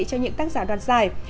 cho những tác giả đoạt giải